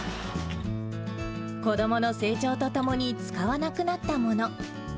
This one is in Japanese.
子どもの成長とともに使わなくなったもの。